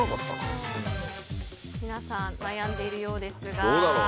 皆さん、悩んでいるようですが。